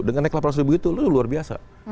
dengan naik delapan ratus ribu itu luar biasa